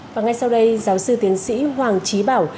và ngay sau đây giáo sư tiến sĩ hoàng trí bảo